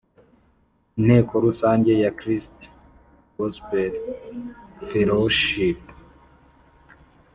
Inteko rusange ya christ gospel fellowhip